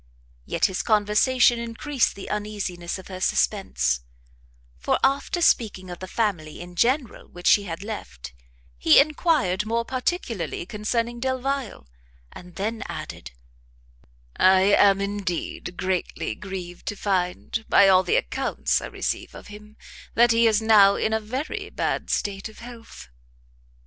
Yet his conversation encreased the uneasiness of her suspence; for after speaking of the family in general which she had left, he enquired more particularly concerning Delvile, and then added, "I am, indeed, greatly grieved to find, by all the accounts I receive of him, that he is now in a very bad state of health."